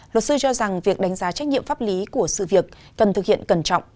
luật sư cho rằng việc đánh giá trách nhiệm pháp lý của sự việc cần thực hiện cẩn trọng